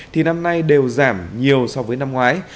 thì năm nay đều giảm nhiều so với năm ngoái